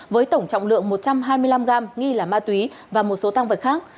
với tổng trọng lượng một trăm hai mươi năm gram nghi là ma túy và một số tăng vật khác